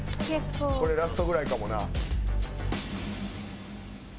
これラストぐらいかもな。